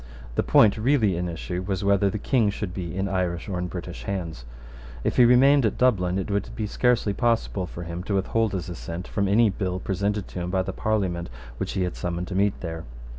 The point really in issue was whether the King should be in Irish or in British hands. If he remained at Dublin, it would be scarcely possible for him to withhold his assent from any bill presented to him by the Parliament which he had summoned to meet there.